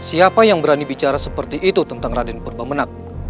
siapa yang berani bicara seperti itu tentang raden purbamenang